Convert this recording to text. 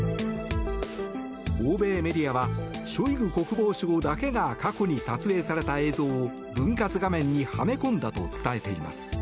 欧米メディアはショイグ国防相だけが過去に撮影された映像を分割画面にはめ込んだと伝えています。